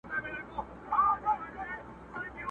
د بېلتون په شپه وتلی مرور جانان به راسي!.